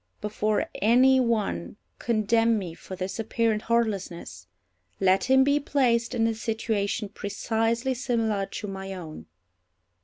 Before any one condemn me for this apparent heartlessness, let him be placed in a situation precisely similar to my own.